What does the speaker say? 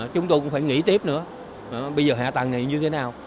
chúng tôi cũng phải nghĩ tiếp nữa bây giờ hạ tầng này như thế nào